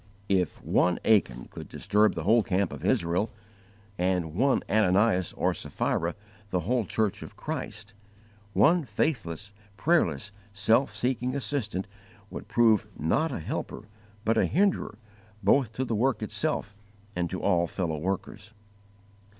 If one Achan could disturb the whole camp of Israel, and one Ananias or Saphira, the whole church of Christ, one faithless, prayerless, self seeking assistant would prove not a helper but a hinderer both to the work itself and to all fellow workers.